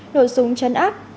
nổi súng chân áp